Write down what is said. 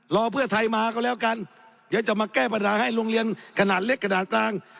เพื่อไทยมาก็แล้วกันเดี๋ยวจะมาแก้ปัญหาให้โรงเรียนขนาดเล็กขนาดกลาง